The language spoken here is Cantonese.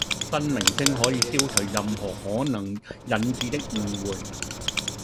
新名稱可以消除任何可能引致的誤會